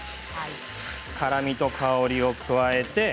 辛みと香りを加えて。